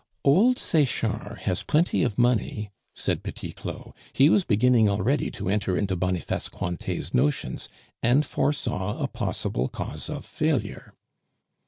"Old Sechard has plenty of money," said Petit Claud. He was beginning already to enter into Boniface Cointet's notions, and foresaw a possible cause of failure.